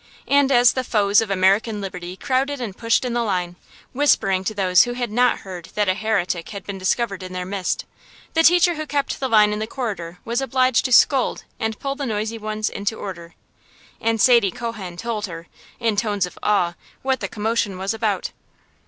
And as the foes of American Liberty crowded and pushed in the line, whispering to those who had not heard that a heretic had been discovered in their midst, the teacher who kept the line in the corridor was obliged to scold and pull the noisy ones into order; and Sadie Cohen told her, in tones of awe, what the commotion was about.